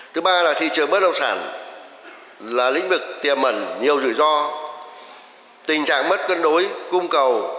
thứ ba là thị trường bất động sản là lĩnh vực tiềm ẩn nhiều rủi ro tình trạng mất cân đối cung cầu